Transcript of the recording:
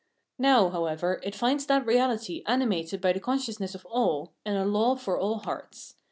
Now, however, it finds that reahty animated by the consciousness of all, and a law for all hearts.